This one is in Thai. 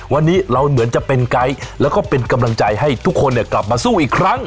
วันนี้เราเหมือนจะเป็นไกด์แล้วก็เป็นกำลังใจให้ทุกคนเนี่ยกลับมาสู้อีกครั้ง